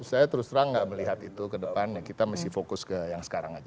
saya terus terang gak melihat itu ke depan ya kita mesti fokus ke yang sekarang aja